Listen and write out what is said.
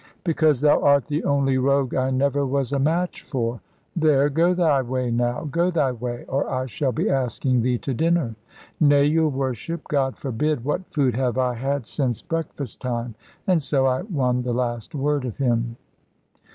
"Because thou art the only rogue I never was a match for. There, go thy way now; go thy way; or I shall be asking thee to dinner." "Nay, your Worship, God forbid! What food have I had since breakfast time?" And so I won the last word of him.